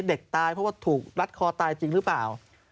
เด็กตายเพราะว่าถูกรัดคอตายจริงหรือเปล่า